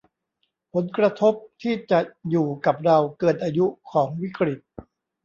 ผลกระทบที่จะอยู่กับเราเกินอายุของวิกฤต